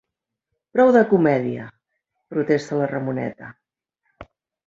Prou de comèdia! –protesta la Ramoneta–.